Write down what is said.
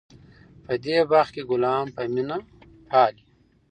په دې باغ کې ګلان په مینه پالي.